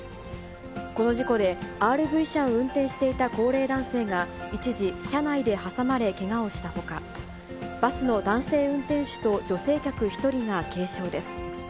この事故で、ＲＶ車を運転していた高齢男性が一時、車内で挟まれ、けがをしたほか、バスの男性運転手と女性客１人が軽傷です。